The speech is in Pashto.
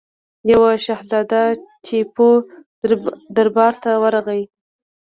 یوه شهزاده ټیپو دربار ته ورغی.